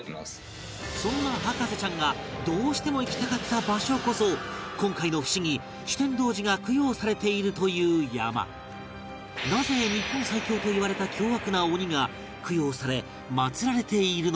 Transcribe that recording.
そんな博士ちゃんがどうしても行きたかった場所こそ今回のふしぎなぜ日本最強といわれた凶悪な鬼が供養され祭られているのか？